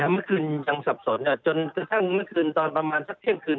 เมื่อกรุณยังสับสนจนถ้างเมื่อคืนตอนสักเที่ยงขึ้น